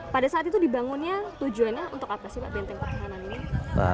pada saat itu dibangunnya tujuannya untuk apa sih pak benteng pertahanan ini